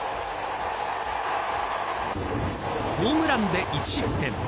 ホームランで１失点。